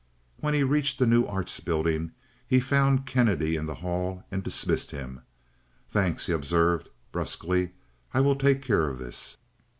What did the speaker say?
When he reached the New Arts Building he found Kennedy in the hall and dismissed him. "Thanks," he observed, brusquely. "I will take care of this."